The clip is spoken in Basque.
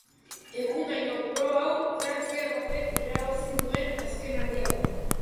Egundaino, proba hau frantziar batek irabazi duen azken aldia da.